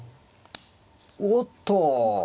おっと！